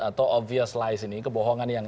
atau obvious lies ini kebohongan yang